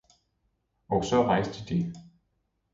Og så rejste de.